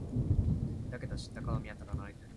だけど、知った顔は見当たらない。